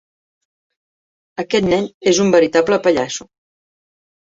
Aquest nen és un veritable pallasso.